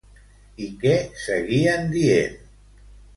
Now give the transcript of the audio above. I què seguien dient?